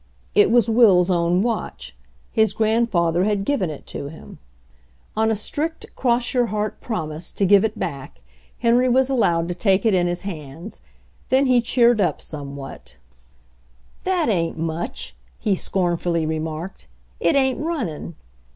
It was Will's own watch; his grandfather had given it, to him. On a strict, cross your heart promise to give MENDING A WATCH 9 it back, Henry was allowed to take it in his hands. Then he cheered up somewhat "That ain't much!" he scornfully remarked. "It ain't runnin'